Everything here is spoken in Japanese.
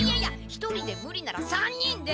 一人でムリなら３人で！